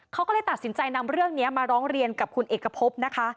เขาก็เลยตัดสินใจนำเรื่องนี้มาร้องเรียนกับคุณเอกพบนะคะ